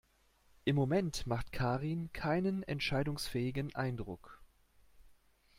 Im Moment macht Karin keinen entscheidungsfähigen Eindruck.